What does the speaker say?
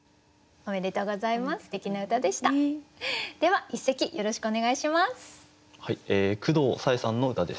おめでとうございます。